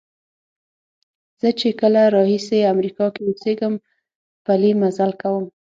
زه چې کله راهیسې امریکا کې اوسېږم پلی مزل کوم.